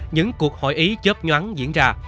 những cuộc hội ý chớp nhoắn diễn ra